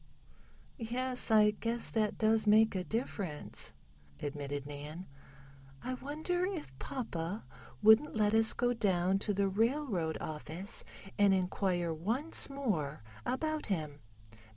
"Yes, I guess that does make a difference," admitted Nan. "I wonder if papa wouldn't let us go down to the railroad office and inquire once more about him?